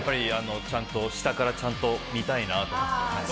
下からちゃんと見たいなと思って。